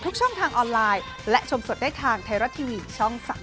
ก็ดูแลกันด้วย